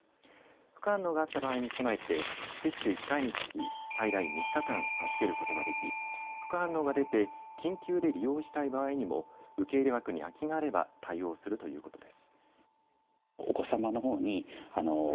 副反応があった場合に備えて接種１回につき最大３日間、預けることができ副反応が出て緊急で利用したい場合にも受け入れ枠に空きがあれば対応するということです。